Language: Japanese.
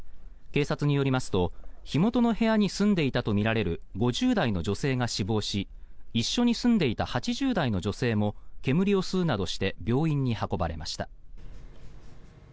警察によりますと、火元の部屋に住んでいたとみられる５０代の女性が死亡し一緒に住んでいた８０代の女性も煙を吸うなどして病院に運ばれました。